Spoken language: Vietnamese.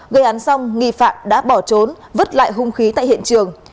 gây án xong nghi phạm đã bỏ trốn vứt lại hung khí tại hiện trường